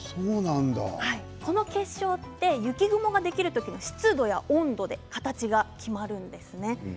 この結晶は、雪雲ができる時の湿度や温度で形が決まるんですね。